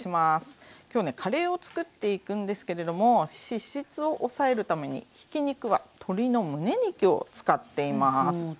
今日ねカレーを作っていくんですけれども脂質を抑えるためにひき肉は鶏のむね肉を使っています。